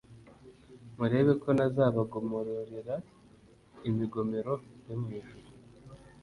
murebe ko ntazabagomororera imigomero yo mu ijuru